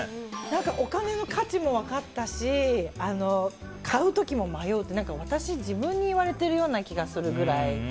お金の価値も分かったし買う時も迷うって私自分に言われてるような気がするぐらい。